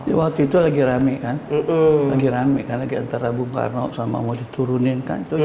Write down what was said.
di waktu itu lagi ramekan lagi ramekan lagi antara bung karno sama mau diturunin kan tuh